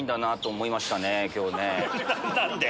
何で？